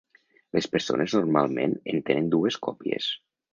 Les persones normalment en tenen dues còpies.